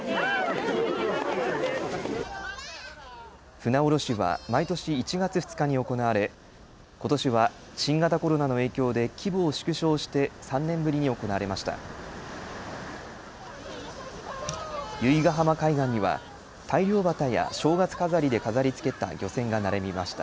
船おろしは毎年１月２日に行われことしは新型コロナの影響で規模を縮小して３年ぶりに行われました。